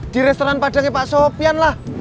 di restoran padangnya pak sopian lah